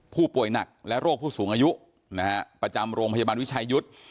ผู้ป่วยหนักและโรคผู้สูงอายุนะฮะประจำโรงพยาบาลวิชายุทธ์